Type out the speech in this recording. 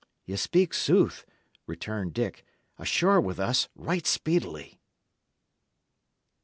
"Ye speak sooth," returned Dick. "Ashore with us, right speedily."